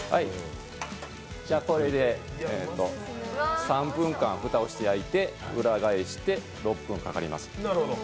これで３分間蓋をして焼いて裏返して６分かかります。